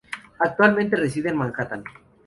Actualmente reside en Manhattan.